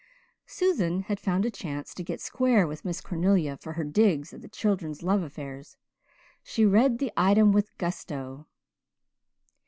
Susan had found a chance to get square with Miss Cornelia for her digs at the children's love affairs. She read the item with gusto.